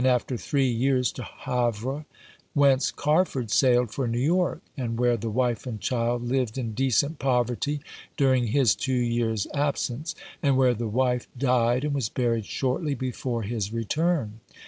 after three years, to Havre, whence Carford sailed for New York, and where the wife and child lived in decent poverty during his two years' absence, and where the wife died and was buried shortly before his return.